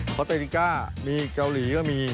พอเตริก้ามีเกาหลีก็มี